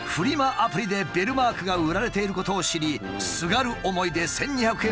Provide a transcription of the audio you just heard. アプリでベルマークが売られていることを知りすがる思いで１，２００円分を購入。